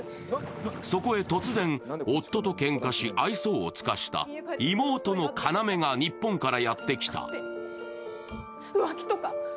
そこへ突然、夫とけんかし愛想をつかした妹の要が日本からやって来た。